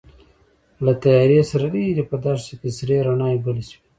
له تيارې سره ليرې په دښته کې سرې رڼاوې بلې شوې.